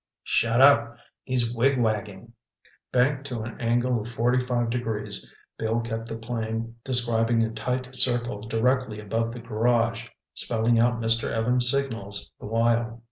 "Shut up! He's wigwagging!" Banked to an angle of 45 degrees, Bill kept the plane describing a tight circle directly above the garage, spelling out Mr. Evans' signals the while.